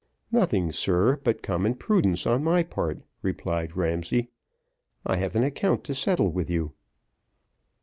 "Nothing, sir, but common prudence on my part," replied Ramsay. "I have an account to settle with you."